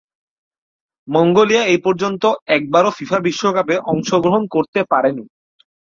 Mongolia এপর্যন্ত একবারও FIFA বিশ্বকাপে অংশগ্রহণ করতে পারেনি।